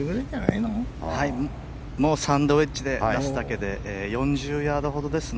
サンドウェッジで出すだけで４０ヤードほどですね。